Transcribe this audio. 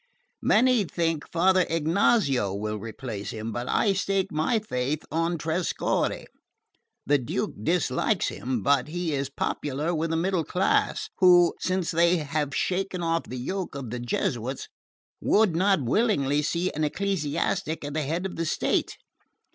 Many think Father Ignazio will replace him, but I stake my faith on Trescorre. The Duke dislikes him, but he is popular with the middle class, who, since they have shaken off the yoke of the Jesuits, would not willingly see an ecclesiastic at the head of the state.